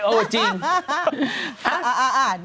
โอ้โฮจริง